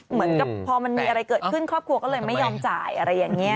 เหมือนกับพอมันมีอะไรเกิดขึ้นครอบครัวก็เลยไม่ยอมจ่ายอะไรอย่างนี้